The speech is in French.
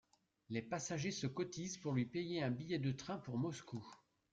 Les passagers se cotisent pour lui payer un billet de train pour Moscou.